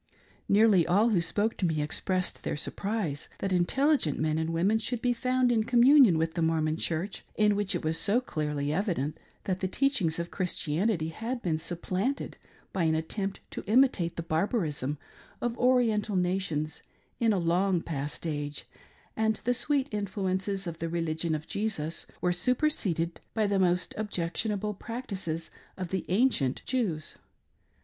Nearly all who spoke to me expressed their surprise that intelligent men and women should be found in communion with the Mormon Church, in which it was so clearly evident that the . teachings of Christianity had been supplanted by an attempt to imitate the barbarism of Oriental nations in a long past age, and the sweet influences of the religion of Jesus were superseded by the most objectionable practices of the ancient Jews.